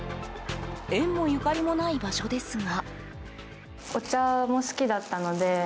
縁もゆかりもない場所ですが。